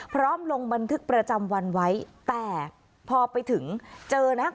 ลงบันทึกประจำวันไว้แต่พอไปถึงเจอนะ